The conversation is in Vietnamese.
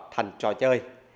thành trò chơi